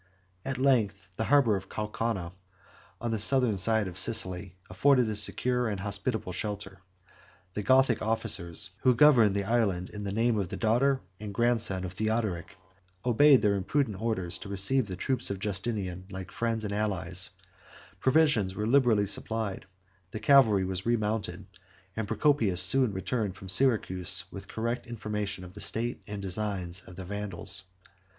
At length the harbor of Caucana, 13 on the southern side of Sicily, afforded a secure and hospitable shelter. The Gothic officers who governed the island in the name of the daughter and grandson of Theodoric, obeyed their imprudent orders, to receive the troops of Justinian like friends and allies: provisions were liberally supplied, the cavalry was remounted, 14 and Procopius soon returned from Syracuse with correct information of the state and designs of the Vandals.